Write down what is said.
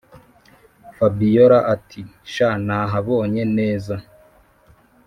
fabiora ati”sha nahabonye neza